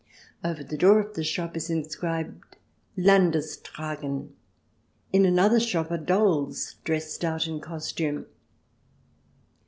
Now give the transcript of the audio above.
Over the door of the shop is inscribed " Landes tragen." In another shop are dolls dressed out in costume.